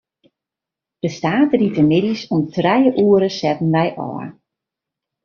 De saterdeitemiddeis om trije oere setten wy ôf.